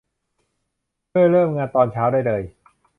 เพื่อเริ่มงานตอนเช้าได้เลย